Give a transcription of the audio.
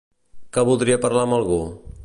Que voldria parlar amb algú?